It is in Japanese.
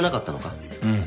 うん。